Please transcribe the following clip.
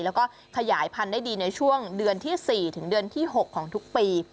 แล้วก็ขยายพันธุ์ได้ดีในช่วงเดือนที่๔ถึงเดือนที่๖ของทุกปี